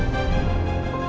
lo mau kemana